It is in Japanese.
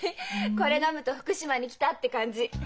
これ飲むと福島に来たって感じ。